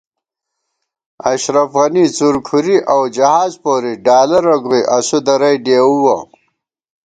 اشرف غنی څُرکھُری اؤ جہاز پوری ڈالرہ گوئی اسُو درَئی ڈېؤوَہ